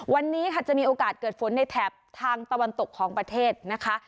วันนี้ค่ะจะมีโอกาสเกิดฝนในแถบทางตะวันตกของประเทศนะคะ